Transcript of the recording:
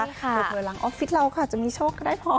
ใช่ค่ะเผื่อล้างออฟฟิศเราก็อาจจะมีโชคก็ได้พอ